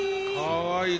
かわいい。